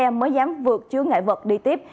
bớt xe mới dám vượt chứa ngại vật đi tiếp